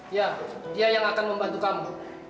ya dia yang akan membantu kamu